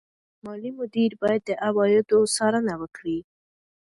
مالي مدیر باید د عوایدو څارنه وکړي.